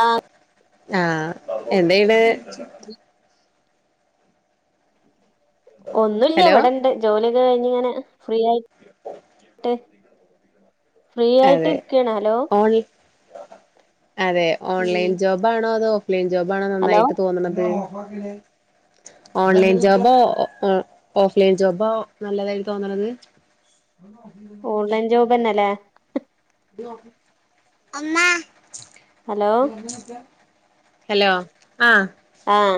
ആഹ് ആ എന് തെയ്നെ ഒന്നുല്ല ഹലോ എവിടെണ്ട് ജോലി കഴിഞ്ഞ് ഇങ്ങനെ ഫ്രീ ആയിട്ട് ഫ്രീ ആയിട്ട് അതെ ഇരിക്കാണ് ഹലോ ഓൺ അതെ ഉം ഓൺലൈൻ ജോബാണോ അതോ ലൈൻ ജോബ് ആണോ ഹലോ നന്നായിട്ട് തോന്നുന്നത് ഓൺലൈൻ ജോബോ ഒ ഓഫ്‌ലൈൻ ജോബോ നല്ലതായി തോന്നണത് ഓൺലൈൻ ജോബന്നല്ലേ അമ്മ ഹലോ ഹലോ ആ ആഹ്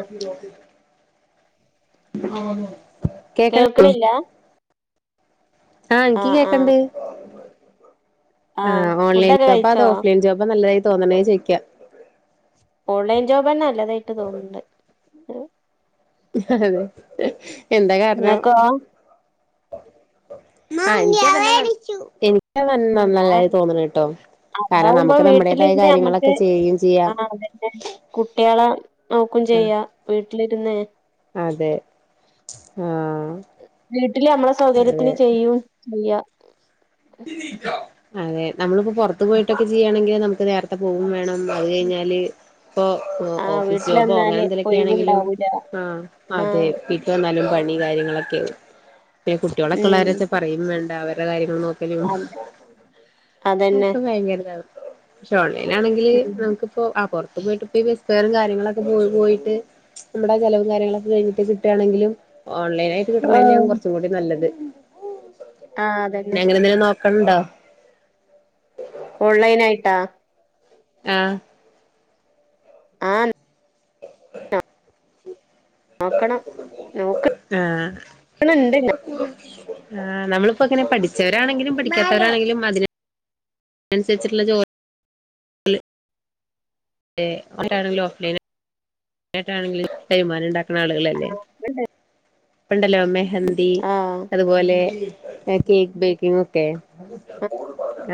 കേക്ക്ണില്ലേ കേൾക്ക്ണില്ലാ ആ ഇൻക്ക് കേക്ക്ണ്ട് ആ ആഹ് ഓൺലൈൻ ഫുഡൊക്കെ ജോബാ കഴിച്ചോ അതോ ഓഫ്‌ലൈൻ ജോബാനല്ലെ തോന്ന് ണെ ചൊയ്ക്ക ഓൺലൈൻ ജോബന്നെ നല്ലതായിട്ട് തോന്ന്ണ്ട് അതെ എന്താ കാരണം ഇങ്ങക്കോ അ എനി നൻ നനല്ലായി തോന്നണ്ട്ട്ടൊ കാരണം അതാവുമ്പോ നമുക്ക് നമ്മുടേതായ വീട്ടിലിരുന്ന് നമ്മക്ക് കാര്യങ്ങളൊക്കെ ചെയ്യ്കയും ചെയ്യാം ആഹ് അതന്നെ കുട്ടികളെ നോക്കും ആ ചെയ്യാ വീട്ടിലിരുന്ന് അതെ ആ വീട്ടില് നമ്മളെ അതെ സൗകര്യത്തിന് ചെയ്യും ചെയ്യ അതെ നമ്മളിപ്പോ പൊറത്തു പോയിട്ടൊക്കെ ചെയ്യാണെങ്കി നമുക്ക് നേർത്തെ പോകും വേണം മ് അത് കഴിഞ്ഞാല് ഇപ്പൊ ഒ ആഹ് ഓഫീസ് ജോബോ അങ്ങനെ വീട്ടിലെന്നാല് എന്തെലൊക്കെയാണെങ്കിലും ഒഴിവുണ്ടാവൂല ആ അതെ ആഹ് ഇപ്പ എന്നാലും പ നി കാര്യങ്ങളൊക്കെ പേ ഉം കുട്ട്യോളൊക്കെള്ളോരൊത് പറയും വേൺ അവര കാര്യങ്ങള് നോ അതെ മ്ം അതന്നെ ഇപ്പം ഭയങ്കര [unintelligible] [unintelligible] അതിനാണെങ്കില് ഉം നമുക്കിപ്പോ ആ പൊറ ഇപ്പപോയിട്ട്പ്പഈ ബെസ് ഫയറും കാര്യങ്ങളൊക്കെ പോ പോയിട്ട് നമ്മ്ടെ ചെലവും കാര്യങ്ങളൊക്കെ കഴിഞ്ഞിട്ട് കിട്ടേണങ്കിലും ഓൺലൈനായിട്ട് കിട്ടണ ന്നയാ കൊറച്ചും കൂടി നല്ലത് ആഹ് അതന്നെ നോക്കണ്ടാ ഓൺലൈൻ ആയിട്ടാ ആഹ് ആഹ് [unintelligible] നോക്കണം ആഹ് നോക്കണണ്ട് ആ നമ്മളിപ്പൊ അങ്ങനെ പഠിച്ചവരാണെങ്കിലും പഠിക്കാത്തവരാണെങ്കിലും അതിന് അനുസരിച്ചിട്ടുള്ള ജോ അല്ലെ ഏ അവ്‌രാണെങ്കിലോ വേന് ലേറ്റാണെങ്കിലും തേയ്മാനം ഇണ്ടാ ന്ന ആളുകളല്ലേ കണ്ടല്ലോ അമ്മേ ഹന്ദി ആഹ് അതുപോലെ ആഹ് കേക്ക് ബേക്കിംഗ് ഒക്കെ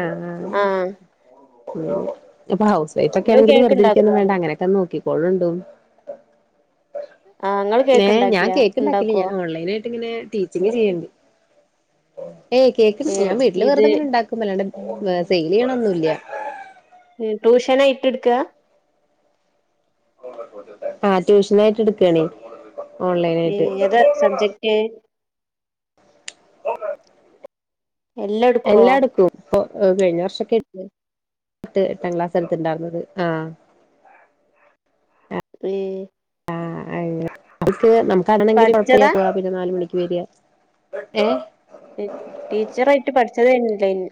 ആഹ് ആഹ് അ മ്ം എപ്പൊ ഹൗസ് സേറ്റൊക്കെ ഇങ്ങള് ആണെങ്കിലും വെറുതിരിക്കാന്നും കേക്ക്ണ്ടാക്കോ വേണ്ട അങ്ങനൊക്കെ നോക്കിക്കൊള്ളുണ്ടോന്ന് ആഹ് ഇങ്ങള് പിന്നേ ഞാൻ കേക്ക്ണ്ടാക്കിയാ കേക്ക്ണ്ടാക്കില്ലേ ഇണ്ടാക്കോ ഞാൻ ഓൺലൈനായിട്ട് ഇങ്ങനെ ടീച്ചിങ് ചെയ്യണ്ട്ണ്ട്. ഏയ് കേക്ക് ഏഹ് ഞാൻ വീട്ടില് ഇത് വെറുതെങ്ങെന ഇണ്ടാക്കും ന്നല്ലാണ്ട് മ്ഏ സെയ്ലെയ്യണൊന്നുംല്ല ട്യൂഷനായിട്ടെട്ക്കാ ആഹ് ട്യൂഷനായിട്ട് എട്ക്കാണ് ഏ എതാ സബ്ജെക്റ്റ് എല്ലാം ഇട്ക്കോ എല്ലാട്ക്കും പ്പോ ഉം കഴിഞ്ഞവർഷക്കേ പത്ത് എട്ടാം ക്ലാസ് എടുത്ത്ണ്ടാർന്നത് ആ ഏ ആ [unintelligible] നമുക്കറിണെങ്കില് കുഴപ്പല്ല്യാ പഠിച്ചതാ പോ പിന്നെ നാല് മണിക്ക് രിയാ ഏ [unintelligible] ടീച്ചറായ്ട്ട് പഠിച്ചതന്നെ [unintelligible]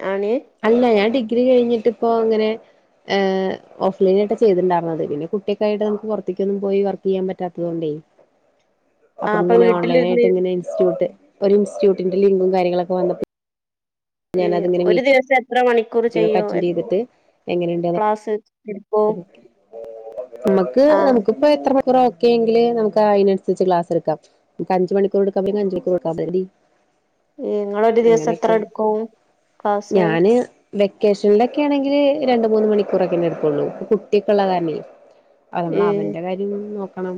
അല്ല ഞാൻ ഡിഗ്രി കഴിഞ്ഞിട്ട് ഇപ്പൊ ഇങ്ങനെ ഏഹ് ഓഫ് ലൈനായിട്ടാ ചെയ്തിണ്ടാർന്നത് പിന്നെ കുട്ടിയക്കായിട്ട് നമുക്ക് പുറത്തേക്കൊന്നും പോയി വർക്കെയ്യാൻ പറ്റാത്തത്‌ കൊണ്ടേ അപ്പൊ ആഹ് ഇങ്ങനെ ഓൺലൈനായിട്ട് വീട്ടിലിരുന്ന് ഇങ്ങനെ ഇൻസ്റ്റിറ്റ്യുട്ട് ഒരു ഇൻസ്റ്റ്റ്റ്യൂട്ടിന്റെ ലിങ്കും കാര്യങ്ങളൊക്കേ വന്നപ്പോ ഏഹ് ഞാനത്ങ്ങനെ വീ ഒരു ദിവസം എത്ര മണിക്കൂർ ചെയ്യൂ എത്ര എങ്ങനെയുണ്ട് ക്ലാസ് എടുക്കും നമുക്ക് ആഹ് നമുക്കിപ്പേത്ര ഒരു മണിക്കൂറ് ഓക്കെങ്കില് നമുക്ക് ഐനൻസരിച്ച് ക്ലാസ് എടുക്കാം ക്ക്‌ അഞ്ച് മണിക്കൂർ എടുക്കാ [unintelligible] അഞ്ച് മണിക്കൂറെടുക്കാം [unintelligible] നിങ്ങളൊരു ദിസം എത്രടുക്കും ക്ലാസ് വെക്കേഷനിലെക്കേ ആണെങ്കില് രണ്ട് മൂന്ന് മണിക്കൂറൊക്കേന്നെടുക്കൂ ള്ളൂ ഇപ്പൊ കുട്ടിക്കോള്ളകാർണേ അ ഏ നമ്മളവന്റെ കാര്യം നോ പണം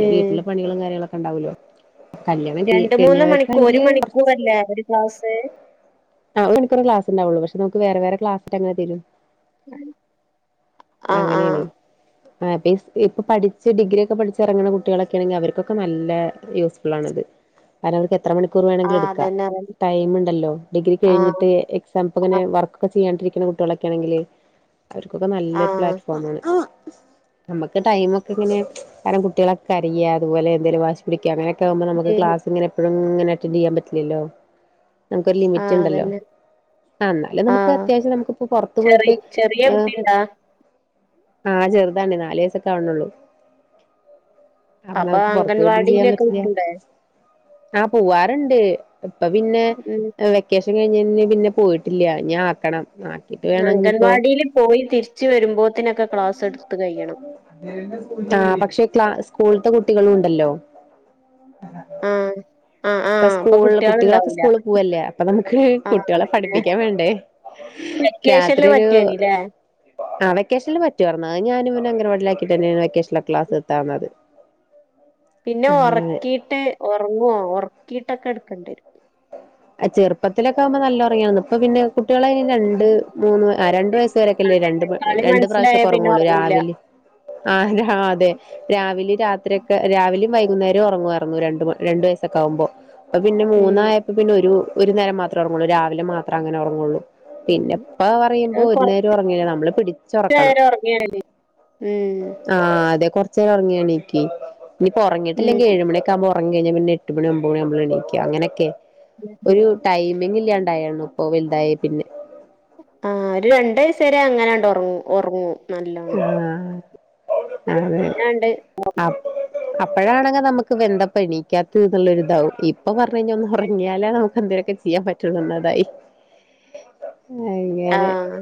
ഏ വീട്ടിലേ പണികളും കാര്യങ്ങളൊക്കേ ക്കണ്ടാവല്ലോ രണ്ട് മൂന്ന് മണിക്കൂ ഒരു മണിക്കൂറല്ലേ ഒരു ക്ലാസ്സ് ആ ഒരുമണിക്കൂറെ ക്ലാസ്ണ്ടാവള്ളൂ പക്ഷേ നമുക്ക് വേറെ വേറെ ക്ലാസ്സിട്ടങ്ങനെ തരും ആ ആ അങ്ങനെയാണെ ആ പിസ് ഇപ്പൊ പഠിച്ച് ഡിഗ്രി ഒക്കെ പഠിച്ച്റങ്ങ്ണ കുട്യാളക്കേണങ്കില് അവർക്കൊക്കെ നല്ല യൂസ്ഫുളാണത് കാരണം അവർക്ക് എ എത്ര മണിക്കൂർ ആഹ് വേണങ്കിലെടുക്കാ അതന്നെ അതന്നെ ടൈമ്ണ്ടല്ലോ ഡിഗ്രി ആഹ് കഴിഞ്ഞിട്ട് എക്സാംപ്പങ്ങനെ വർക്കൊക്കേ ചെയ്യാണ്ടിരിക്ക്ണ കുട്യാളൊക്കേണെങ്കില് അവർക്കൊക്കെ നല്ലൊരു ആഹ് പ്ലാറ്റ്ഫോമാണ് നമുക്ക് ടൈമ ഒക്കെ ഇങ്ങനെ കാരണം കുട്ടികളൊക്കെ അരയ അതുപോലെ എന്തെലും വാശി പിടിക്ക അങ്ങനെ മ്പോ നമക്ക് ക്ലാസ്ങ്ങെനെ എപ്പഴും ങ്ങനെ അറ്റന്റെയ്യാൻ പറ്റില്ലല്ലോ ആഹ് [unintelligible] അതന്നെ [unintelligible] ആ ന്നാല് നമുക്ക് ആഹ് അത്യാവശ്യം നമുക്ക്പ്പൊ പുറത്തു പോയിട്ട് ചെറിയ ചെറിയ ആ കുട്ടിണ്ടാ ആ ചെറുതാണ് നാല് വയസൊക്കെ ആവണള്ളൂ അപ്പൊ അംഗൻവാടിയിലൊക്കെ പറ്റില്ല വിട്ടുടെ ആ പൂവാറ്ണ്ട് അപ്പൊ പിന്നെ ഉം വേ ഉച്ച കയിഞ്ഞ്ഞ്ഞ് പിന്നെ പോയിട്ടില്ല ഇനി ആക്കണം ആക്കിട്ട് വേണം ഇനിയിപ്പോ അംഗൻവാടീൽ പോയി തിരിച് വരുമ്പോത്തിനൊക്കെ ക്ലാസ്സ് എടുത്ത് കയ്യണം ക്ല സ്കൂളത്തെ കുട്ടികളുണ്ടല്ലോ ആഹ് ആഹ് ഇപ്പ ആഹ് അപ്പൊ സ്കൂള് കുട്ടികളൊക്കെ കുട്ടിയാളുണ്ടാവൂല സ്കൂളിൽ പോവല്ലേ അപ്പൊ നമുക്ക് ആഹ് കുട്ടികളെ അതന്നെ പഠിപ്പിക്കെ വേണ്ടേ രാത്രി വെക്കേഷനില് ഒരു പറ്റേനില്ലേ അ വെക്കേഷനിൽ പറ്റുവാർന്ന് അത് ഞാനിവ അംഗംനവാടി ലാക്കിട്ടന്നേണ് വെക്കെഷണൽ ക്ലാസ് എത്താന്നത് പിന്നെ ഒറക്കിയിട്ട് ഒറങ്ങുവോ ഒറക്കി ട്ടൊക്കെ എടുക്കേണ്ട കരും ആ ചെറുപ്പത്തിലക്കെകുമ്പോ നല്ലറിയാന്ന് ഇപ്പ പിന്നെ കുട്ടികളയ്ന് രണ്ട് മൂന്ന് രണ്ട് വയസ് വരൊക്കെല്ലേ അതെ രണ്ട് കളി രണ്ട് മനസ്സിലായ പ്രാവശ്യക്കെ പിന്നെ ഉറങ്ങുള്ളൂ ഉറങ്ങൂല രാവിലെ ആഹ് അതെ രാവിലെ രാത്രിയൊക്കെ രാവിലെ വൈകുന്നേരവു ഉറങ്ങാർന്നു രണ്ട് രണ്ട് വയസ്സൊക്കെ ആവുമ്പൊ പ്പൊ പിന്നെ ഉം മൂന്നായി പിന്നൊരു ഒരു നേരം മാത്രേ ഉറങ്ങുള്ളൂ രാവിലെ മാത്രാ അങ്ങനെ ഉറങ്ങുള്ളൂ പിന്നെപ്പാ പറയുമ്പോ അത് ഒരു കൊറച്ചു നേരം ഉറങ്ങില്ല നമ്മള് പിടിച്ചുറക്കണം നേരം ഉറങ്ങിയാലല്ലേ ഉം ആ ഹ് അ തെ കൊറച്ചേരുറങ്ങിയാണീക്ക് ഇനിപ്പൊറങ്ങിട്ടില്ലെങ്കി ഉം ഏഴുമണക്കാവുമ്പോ ഉറങ്ങി കഴഞ്ഞാ പിന്നെ എട്ട് മണി ഒമ്പത് മണിയാവുമ്പളാ എണിക്ക അങ്ങനക്കെ ഒരു ഉം ടൈമിങ്ങില്ലാണ്ടായണു പ്പോ വൽതായെ പിന്നെ ആ ഒരു രണ്ട് വയസെരെ അങ്ങനെണ്ട് ഉറങ്ങു ഉറങ്ങും നല്ലോണം ആഹ് അതെ പിന്നാണ്ട് അ അപ്പോഴാണെങ്ക നമുക്ക് വെന്ത പണീക്കാത്തന്നുള്ളൊരുതാവും ഇപ്പൊ പറഞ്ഞു കഴിഞ്ഞാൽ ഒന്ന് ഉറങ്ങിയാലേ നമുക്ക് എന്തേൊക്കെ ചെയ്യാൻ പറ്റുള്ളൂ എന്നതായി അങ്ങനെ ആഹ്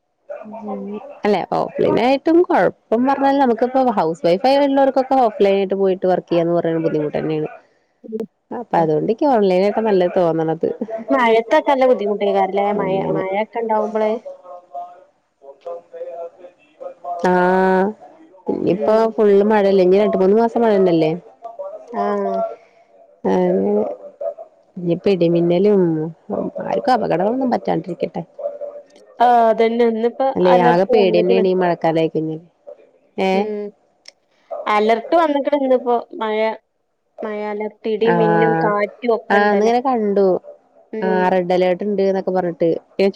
[unintelligible] അല്ല ഓഫ് ലൈനായിട്ടും കുഴപ്പം പറഞ്ഞാല് നമുക്കിപ്പ ഹൗസ് വൈഫ് ആയിട്ടള്ളവർക്കൊക്ക ഓഫ്‌ലൈനായിട്ട് പോയിട്ട് വർക്ക് ചെയ്യാന്ന് പറയുന്ന ബുദ്ധിമുട്ടെന്നെയാണ് അപ്പൊ അതുകൊണ്ടെക്ക ഓൺലൈനായി അത് നല്ല തോന്നണ മഴത്തൊക്കെ നല്ല ബുദ്ധിമുട്ടാരിക്കാരല്ലേ മഴ അങ്ങനെ മഴെക്കെ ഇണ്ടാവുമ്പോള് ആഹ് ഇനിപ്പോ ഉം ഫുള്ള് മഴ ല്ല ഇനിരണ്ട് മൂന്ന് മാസങ്ങളന്നല്ലേ ആഹ് ആഹ് ഇനിപ്പിടിമിന്നലും ആർക്കും അപകടങ്ങളൊന്നും പറ്റാണ്ടിരിക്കട്ടെ ആ അതന്നെ ന്ന്പ്പ അലർ പേടിയന്നാണി മഴക്കാല പിന്നെ ഉം അലർട്ട് വന്നിക്ണ് ന്ന് പ്പൊ മഴ മഴാല ആ ആ ന്നിങ്ങനെ കണ്ടു ആ റെഡ് അലേർട്ട് ണ്ട് ന്നൊ ക്കെ പറഞ്ഞിട്ട് പിന്നെ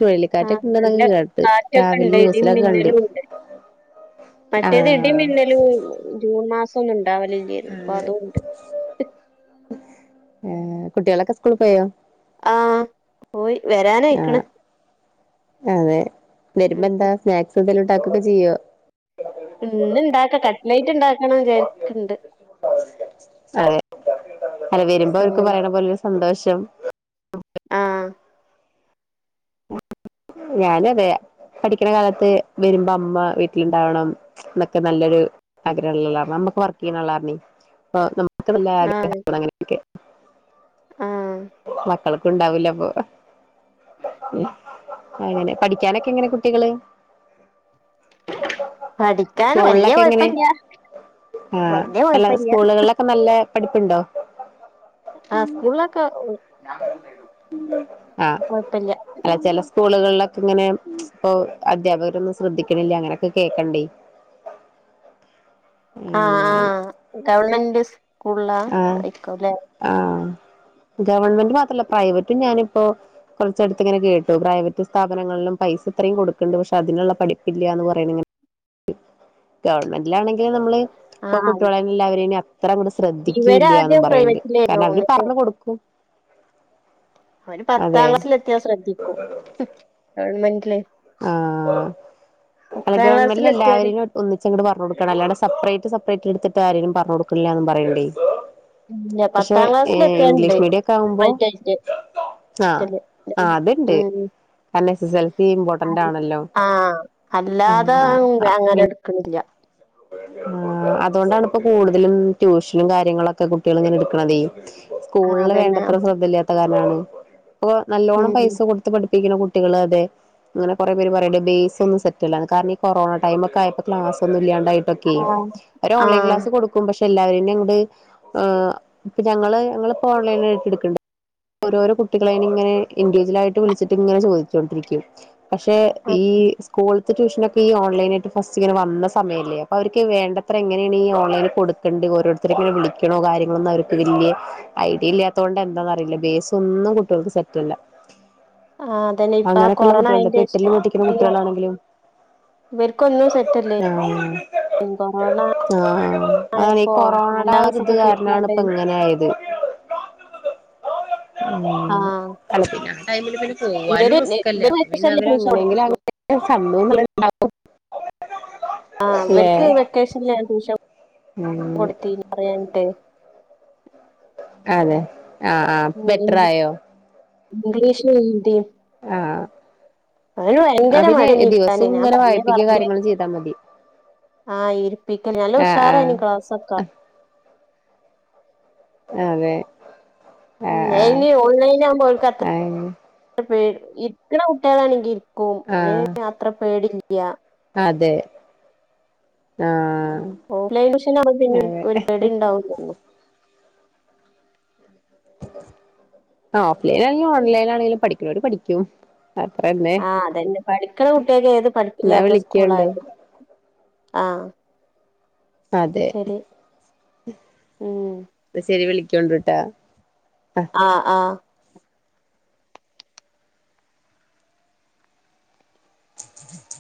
ആ ചുഴലിക്കാറ്റൊക്കെ നല്ല ഉണ്ടെന്നൊക്കെ കേട്ട് കാറ്റൊക്കെ രാവിലെ ഇണ്ട് ഇടി ന്യൂസിലൊക്കെ കണ്ട് മിന്നലും ണ്ട് മറ്റേത് ആഹ് ഇടിമിന്നലും ജൂൺ മാസ [unintelligible] രാവലും ചെയ്യുന്നു അപ്പൊ അതൊണ്ട് ആ കുട്ടികളൊക്കെ സ്കൂള് പോയോ ആഹ് പോയി ആ വരാനായിക്കണ് അതെ വരുമ്പോ ഉം. എന്താ സ്നാക്സ് എന്തേലും [unintelligible] ചെയ്യോ ഇന്ന് ഇണ്ടാക്ക കട്ലൈറ്റ് ഇണ്ടാ അതെ അല്ല വരുമ്പോ അവർക്ക് ആഹ് പറയണ പോലര് സന്തോഷം ആഹ് ഞാന അതെ പഠിക്കണ കാലത്ത് വരുമ്പോ അമ്മ വീട്ടിലുണ്ടാവണം എന്നൊക്കെ നല്ലൊരു ആഗ്രഹം ഉള്ളള്ള അമ്മ പ്പൊ വർക്ക് ചെയ്യണ ആളർന്നെ അപ്പൊ ന ആഹ് [unintelligible] ആഹ് മക്കൾക്ക ഇണ്ടാവൂലപ്പൊ അങ്ങനെ പഠിക്കാനൊക്കെ എങ്ങനെ കുട്ടികള് പഠിക്കാൻ വലിയ സ്കൂളിലൊക്കെ എങ്ങനെ കുഴപ്പില്ല്യാ ആഹ് വലിയ അല്ല കുഴപ്പില്ലാ സ്കൂളുകളിലൊക്കെ നല്ല പഠിപ്പുണ്ടോ ആ സ്കൂളിലൊക്കെ ആഹ് കുഴപ്പില്യ അല്ല ചില സ്കൂളുകളിലൊക്കെ ഇങ്ങനെ പ്പൊ അധ്യാപകരൊന്നും ശ്രദ്ധിക്കണില്ല അങ്ങനെയൊക്കെ കേക്കണ്ടേ ആ ആ ഗവൺമെ എസ് കുള്ളാ ആഹ് ഇക്കുല്ലേ ആഹ് ഗവൺമെന്റ് മാത്രല്ല പ്രൈവറ്റും ഞാനിപ്പോ കുറച്ചടുത്ത് ഇങ്ങനെ കേട്ടു പ്രൈവറ്റ് സ്ഥാപനങ്ങളിലും പൈസ ഇത്രയും കൊടുക്കണ്ട് പക്ഷെ അതിനുള്ള പഠിപ്പില്ലാന്ന് പറയണിങ്ങനെ ട്ടു ഗവൺമെന്റിലാ ഇനി നമ്മള് പൊ ആഹ് കുട്ടികളെ എല്ലാവരയും ഇനി അത്ര ശ്രദ്ധിക്കൂല്ലന്നും ഇവരാദ്യം പറയണ്ട് പ്രൈവറ്റിലായിരുന്നു കാരണം അവര് പറഞ്ഞു കൊടുക്കും ഒരു പത്താം അതെ ക്ലാസ്സില് എത്തിയാൽ ശ്രദ്ധിക്കൂ ഗൺമെൻ ആ പത്താം ഗവൺമെന്റില് ക്ലാസ്സിലെത്തിയാല് എല്ലാവരും ഒന്നിച്ച അങ്ങോട് പറഞ്ഞു കൊടുക്കണം അല്ലാതെ സെപ്പറേ സെപ്പറേറ്റ് എടുത്തിട്ട് ആരലും പറഞ്ഞ കൊടുക്കില്ലന്ന് പറയണ്ടേ ഇല്ല പക്ഷെ പത്താം ക്ലാസ്സിലെത്തിയാണ്ട് ഇംഗ്ലീഷ് മീഡിയം ഒക്കെ ആവുമ്പോ സെപ്പറേറ്റ് ആയിട്ട് ആ എടുക്കല് ആ അത്ണ്ട് കാരണം എസ് എസ് എൽ സി ഇമ്പോ ആ അല്ലാതെ അങ്ങനെ എടുക്കുന്നില്ല. ആ അതുകൊണ്ടാണ് ഇപ്പോ കൂടുതലും ട്യൂഷനും കാര്യങ്ങളൊക്കെ കുട്ടികൾ ഇങ്ങനെ എടുക്കണതെ ആഹ് സ്കൂളില് അതന്നെ വേണ്ടത്ര ശ്രദ്ധയില്ലാത്ത കാരാണണ്. അപ്പ നല്ലോണ്ണം ഉം പൈസ കൊടുത്ത് പഠി കുട്ടികൾ അതെ അങ്ങനെ കുറെ പേര് പറയുണ്ട് ബേസും സെറ്റല്ല കരണം ഈ കൊറോണ ടൈം ഒക്കെയ ക്ലാസ് ഒന്ന ഇല്ലാണ്ടെ അത്ക്കെ ആഹ് ഒരു ഓൺലൈൻ ആഹ് ക്ലാസ് കൊടുക്കും പക്ഷെ എല്ലാവരിൻ്റെയും കുടെ ആ ഇപ്പം ഞങ്ങള് ഓൺലൈനട്ട് എടുക്കണ്ട് ഓരോരോ കുട്ടികളെും ഇങ്ങനെ ഇൻിവിജവൽ ആയിട്ട് വിളിച്ചിട്ട് ഇങ്ങനെ ചോദിച്ചോണ്ടിരിക്കും. പക്ഷെ ഈ സ്കൂൾ ട്യൂഷനക്കെ ഈ ഓൺലെൻനായിട്ട് പസ്റ്റ് ഇങ്ങന വന്ന സമയമല്ലേ അവർക്ക് വേണ്ടത്ര എങ്ങനെയാണ് ഈ ഓൺലൈനിൽ കൊടുക്കേണ്ട ഓരോരുത്തരെങ്ങനെ വിളിക്കണോ കാര്യങ്ങളൊന്നും അവർക്ക് വല്യ ഐഡിയ ഇല്ലാത്ത കൊണ്ട് എന്താന്ന് അറിയില്ല ബേസ് ഒന്നും കുട്ടികൾക്ക് സെറ്റ്ല്ല ആ അതന്നെ ഇപ്പ ആ കൊറോണ ഇപ്പൊ അയിന്റെ എട്ടിലും പഠിക്കുന്ന കുട്ടികളാണെങ്കിലും ഇവർക്കൊന്നും സെറ്റല്ലേ ആ അ ആയപ്പോ കൊറോണയുടെ രണ്ടാം ആ ഒരിത് ക്ലാസ്സൊക്കെ കാരണണ് പോയിക്കാണ്ട് ഇപ്പൊ ഇങ്ങനെ ആയത് ഉം ആഹ് തല പിന്ന ടെയിമില് പി പോവാനും ഇവര് റിസ്ക്ല്ലേ ഇവര് അപ്പൊ പിന്നെ വെക്കേഷനില് അവര് ട്യൂഷൻ അങ്ങനെങ്കിലും കൊടുത്തിരുന്നു അങ്ങനെ കണ്ടു ത്തള്ളയിതാവു ആ അവർക്ക് വെക്കേഷനിലാണ് ടുഷം ഉം കൊടുത്ത് കഴിഞ്ഞ് പറയേണ്ടെ അതെ ആ ആ ബെറ്ററായോ ഇംഗ്ലീഷിന് എന്തെ ആഹ് അവന് ഭയങ്കര ആഹ് പിന്നെ മടി ഇരുത്താന് ദിവസവും ഞാൻ ഇങ്ങനെ പറഞ്ഞ് വായിപ്പിക്കുക പറഞ്ഞ് കാര്യങ്ങളും ചെയ്താൽ മതി ആ ഇരിപ്പിക്ക നല്ല ആഹ് ആഹ് ഉഷാറനി ക്ലാസൈക്ക അതെ ആഹ് ഇനി ഓൺലൈൻ ആവുമ്പോ അവൾക്ക് അത്ര ആഹ് ആഹ് ഇരിക്കണകുട്ടികളാണെങ്കിൽ ഒ ആഹ് യാത്ര പേട [unintelligible] അതെ ആഹ് ഓൺലൈൻ ട്യൂഷനാകുമ്പോൾ പിന്നെ അതെ ഒരു പേടിഉണ്ടാവുവെന്ന് തോന്നുന്നു. ആഹ് ല്ല ഓൺലൈൻ ആണെലും പഠിക്കും. ള്ളേര് പഠിക്കൂ. ആഅതന്നെ പഠിക്കണ കുട്ടികൾക്ക് ഏത് എന്നാ പഠിപ്പില്ലാത്ത സ്കൂള വിളിക്കണ്ട് ആയാലു ആ അതെ ഉം ശരി വിളി [unintelligible] ആ ആ [unintelligible]